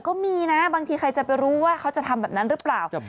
ก็มีนะบางทีใครจะไปรู้ว่าเขาจะทำแบบนั้นหรือเปล่า